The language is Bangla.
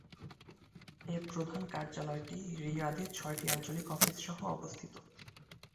এর প্রধান কার্যালয়টি রিয়াদে ছয়টি আঞ্চলিক অফিস সহ অবস্থিত।